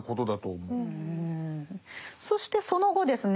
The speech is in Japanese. そしてその後ですね